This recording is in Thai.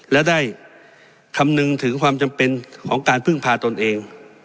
และได้คำนึงถึงความจำเป็นของการพึ่งพาตนเอง